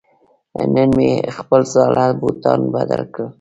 نن مې خپل زاړه بوټان بدل کړل.